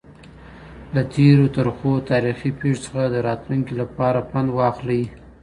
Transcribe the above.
له تيرو ترخو تاريخي پيښو څخه د راتلونکي لپاره پند واخلئ.